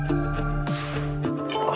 ini young jedi